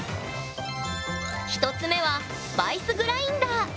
１つ目はスパイスグラインダー。